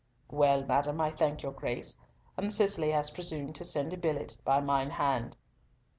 "Well, madam, I thank your Grace, and Cicely has presumed to send a billet by mine hand."